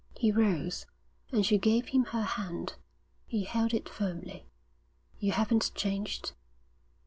He rose, and she gave him her hand. He held it firmly. 'You haven't changed?'